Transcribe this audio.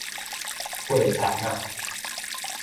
過田仔